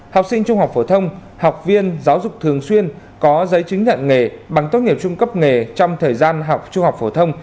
học sinh trung học phổ thông học viên giáo dục thường xuyên có giấy chứng nhận nghề bằng tốt nghiệp trung cấp nghề trong thời gian học trung học phổ thông